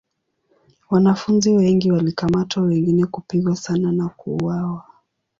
Wanafunzi wengi walikamatwa wengine kupigwa sana na kuuawa.